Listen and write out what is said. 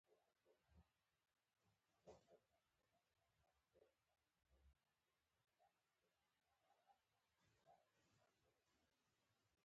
سړي لاس را اوږد کړ، غټ دروند لاس یې و.